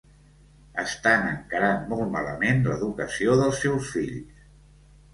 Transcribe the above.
Estan encarant molt malament l'educació dels seus fills.